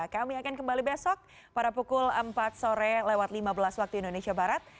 kami akan kembali besok pada pukul empat sore lewat lima belas waktu indonesia barat